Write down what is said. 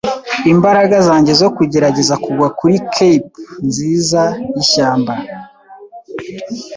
imbaraga zanjye zo kugerageza kugwa kuri Cape nziza yishyamba.